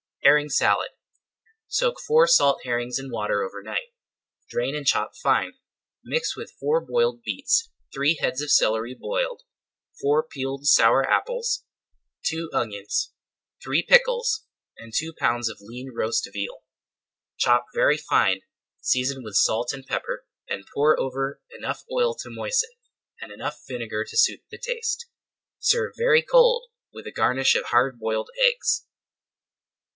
HERRING SALAD Soak four salt herrings in water over night. [Page 201] Drain and chop fine. Mix with four boiled beets, three heads of celery boiled, four peeled sour apples, two onions, three pickles, and two pounds of lean roast veal. Chop very fine, season with salt and pepper, and pour over enough oil to moisten, and enough vinegar to suit the taste. Serve very cold with a garnish of hard boiled eggs.